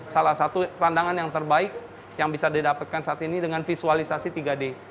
salah satu pandangan yang terbaik yang bisa didapatkan saat ini dengan visualisasi tiga d